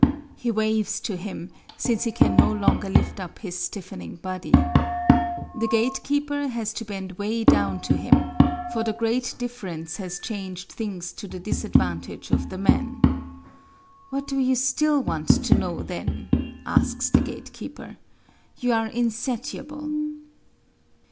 He waves to him, since he can no longer lift up his stiffening body. The gatekeeper has to bend way down to him, for the great difference has changed things to the disadvantage of the man. "What do you still want to know, then?" asks the gatekeeper. "You are insatiable."